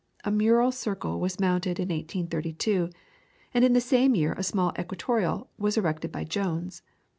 A mural circle was mounted in 1832, and in the same year a small equatorial was erected by Jones.